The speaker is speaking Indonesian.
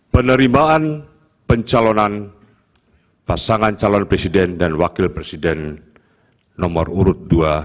penerimaan pencalonan pasangan calon presiden dan wakil presiden nomor urut dua